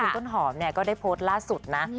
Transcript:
ต้นหอมเนี่ยก็ได้โพสต์ล่าสุดนะ